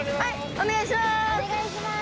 お願いします！